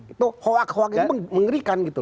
itu hoax hoax itu mengerikan gitu